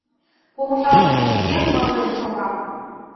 — Помыжалтмешкем мырлен шога.